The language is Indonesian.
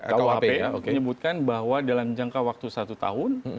kuhp menyebutkan bahwa dalam jangka waktu satu tahun